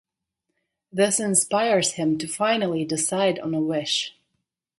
This inspires him to finally decide on a wish.